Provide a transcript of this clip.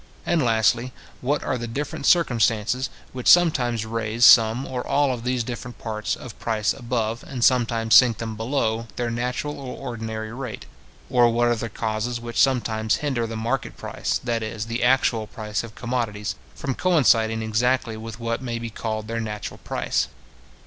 And, lastly, what are the different circumstances which sometimes raise some or all of these different parts of price above, and sometimes sink them below, their natural or ordinary rate; or, what are the causes which sometimes hinder the market price, that is, the actual price of commodities, from coinciding exactly with what may be called their natural price.